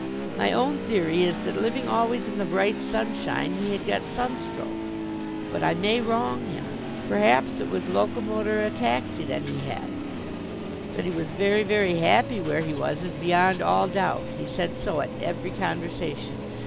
My own theory is that, living always in the bright sunshine, he had got sunstroke. But I may wrong him. Perhaps it was locomotor ataxy that he had. That he was very, very happy where he was is beyond all doubt. He said so at every conversation.